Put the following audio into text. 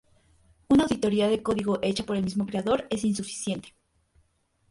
Una auditoría de código hecha por el mismo creador es insuficiente.